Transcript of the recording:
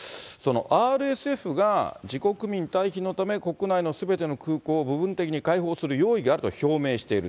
ＲＳＦが自国民退避のため国内のすべての空港を部分的に開放する用意があると表明している。